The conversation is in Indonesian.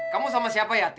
kamu sama siapa yati